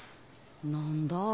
何だ？